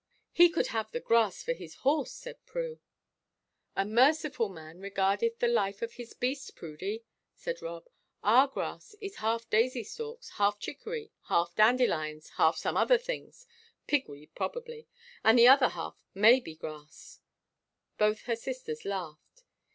"He could have the grass for his horse," said Prue. "'A merciful man regardeth the life of his beast,' Prudy," said Rob. "Our grass is half daisy stalks, half chicory, half dandelions, half some other things pigweed, probably and the other half may be grass." Both her sisters laughed.